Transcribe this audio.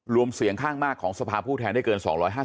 รวมเสียงข้างมากของสภาผู้แทนได้เกิน๒๕๐